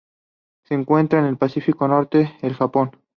Se encuentra en el Pacífico norte: el Japón.